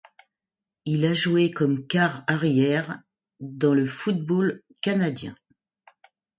Il a joué comme quart-arrière dans le football canadien.